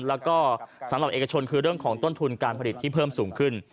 แล้วก็สำหรับเอกชนคือเรื่องของต้นทุนการผลิตที่เพิ่มสูงขึ้น